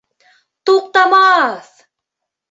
— Туҡтамаҫ!